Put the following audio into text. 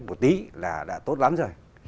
một tí là đã tốt lắm rồi